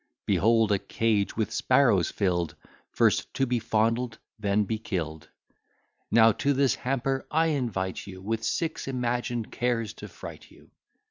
Behold a cage with sparrows fill'd, First to be fondled, then be kill'd. Now to this hamper I invite you, With six imagined cares to fright you.